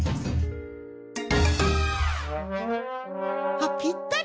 あっぴったり！